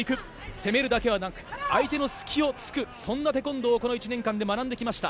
攻めるだけでなく相手の隙を突くそんなテコンドーをこの１年間で学んでました。